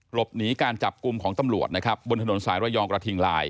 หลบหนีการจับกลุ่มของตำรวจนะครับบนถนนสายระยองกระทิงลาย